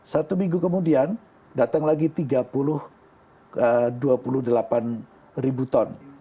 satu minggu kemudian datang lagi tiga puluh delapan ribu ton